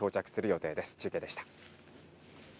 以上、中継でした。